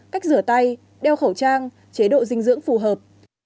cách rửa tay đeo khẩu trang chế độ dinh dưỡng phù hợp